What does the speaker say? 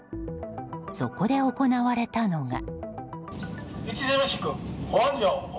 そこで行われたのが。